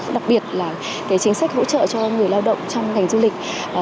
đặc biệt là chính sách hỗ trợ cho người lao động trong ngành du lịch